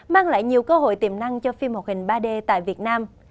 mang lại nhiều cơ hội tiềm năng cho phim hoạt hình ba d tại việt nam